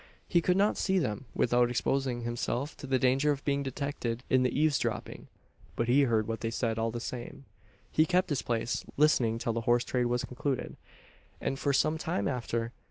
He could not see them, without exposing himself to the danger of being detected in his eaves dropping; but he heard what they said all the same. He kept his place listening till the horse trade was concluded, and for some time after.